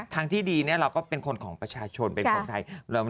ทางที่ดีเราก็เป็นคนของประชาชนเป็นคนไทย